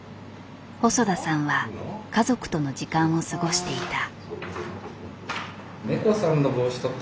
細田さんは家族との時間を過ごしていた。